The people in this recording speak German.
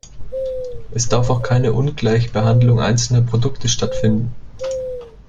Es darf auch keine Ungleichbehandlung einzelner Produkte stattfinden.